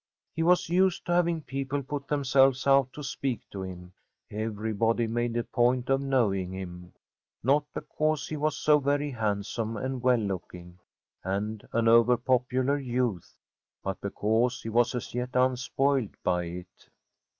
He was used to having people put themselves out to speak to him; everybody made a point of knowing him, not because he was so very handsome and well looking, and an over popular youth, but because he was as yet unspoiled by it.